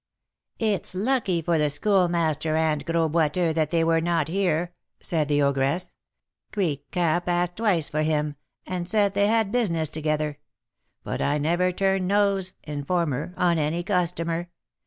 "It's lucky for the Schoolmaster and Gros Boiteux that they were not here," said the ogress; "Greek cap asked twice for him, and said they had business together; but I never turn 'nose' (informer) on any customer.